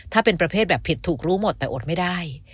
ถ้าเป็นประเภทแบบผิดถูกรู้หมดแต่อดไม่ได้